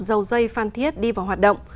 dầu dây phan thiết đi vào hoạt động